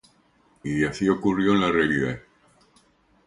Y así ocurrió en la realidad.